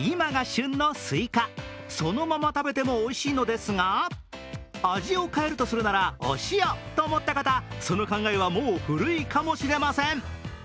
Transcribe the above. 今が旬のすいか、そのまま食べてもおいしいのですが味を変えるとするならお塩！と思った方その考えはもう古いかもしれません。